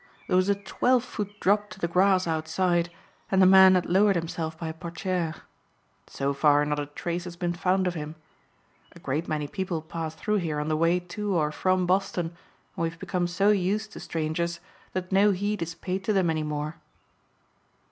There was a twelve foot drop to the grass outside and the man had lowered himself by a portiere. So far not a trace has been found of him. A great many people pass through here on the way to or from Boston and we have become so used to strangers that no heed is paid to them any more."